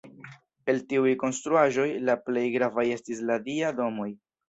El tiuj konstruaĵoj, la plej gravaj estis la dia domoj.